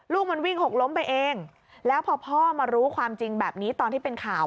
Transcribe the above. ลูกมันวิ่งหกล้มไปเองแล้วพอพ่อมารู้ความจริงแบบนี้ตอนที่เป็นข่าว